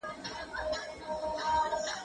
زه به سبا د ښوونځی لپاره تياری وکړم؟